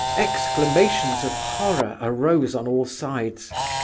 Exclamations of horror arose on all sides.